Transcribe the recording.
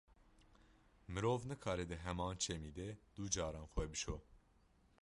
Mirov nikare di heman çemî de du caran xwe bişo.